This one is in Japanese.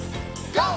ＧＯ！